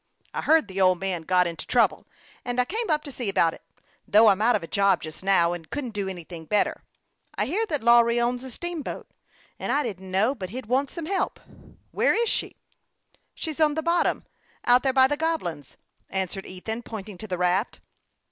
I heard the old man had got into trouble, and I came up to see about it, . though I'm out of a job just now, and couldn't do anything better. I hear that Lawry owns a steam boat, and I didn't know but he'd want some help. Where is she ?" 120 HASTE AXD AVASTE, OR " She's on the bottom, out there by the Goblins," answered Ethan, pointing to the raft.